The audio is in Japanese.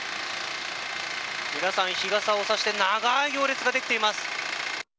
皆さん、日傘をさして長い行列ができています。